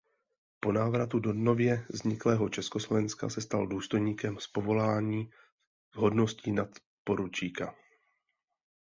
Po návratu do nově vzniklého Československa se stal důstojníkem z povolání s hodností nadporučíka.